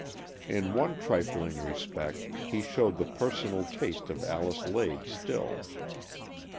In one trifling respect, he showed the personal taste of Alice Lade still.